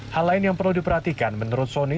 hal lain yang perlu diperhatikan menurut soni